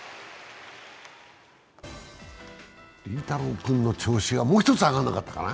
麟太郎君の調子がもう１つ、上がらなかったかな？